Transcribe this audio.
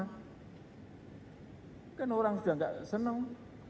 bukan orang sudah enggak senang